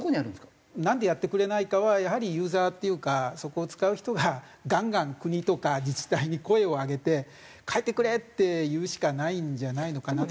なんでやってくれないかはやはりユーザーっていうかそこを使う人がガンガン国とか自治体に声を上げて変えてくれって言うしかないんじゃないのかなとは。